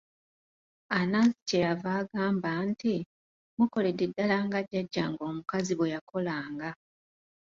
Anansi kye yava agamba nti, mukoledde ddala nga jjajjaange omukazi bwe yakolanga.